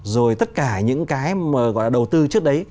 rồi tất cả những cái mà gọi là đầu tư trước đấy